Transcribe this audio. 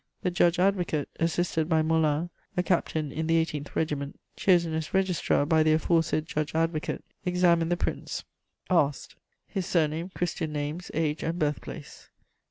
The judge advocate, assisted by Molin, a captain in the 18th Regiment, chosen as registrar by the aforesaid judge advocate, examined the Prince. [Sidenote: And examined.] Asked: His surname, Christian names, age, and birthplace?